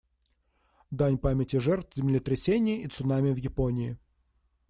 Дань памяти жертв землетрясения и цунами в Японии.